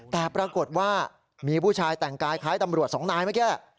แต่ปรากฏว่ามีผู้ชายแต่งกายคล้ายตำรวจสองนายเมื่อกี้แหละ